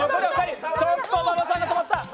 ちょっと馬場さんが止まった。